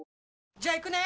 じゃあ行くね！